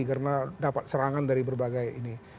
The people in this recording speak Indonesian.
karena dapat serangan dari berbagai ini